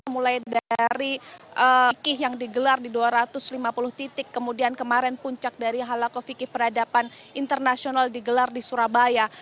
mulai dari kih yang digelar di dua ratus lima puluh titik kemudian kemarin puncak dari halakofikih peradaban internasional digelar di surabaya